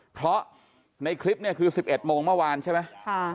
เพราะในคลิปเนี่ยคือ๑๑โมงเมื่อวานใช่ไหม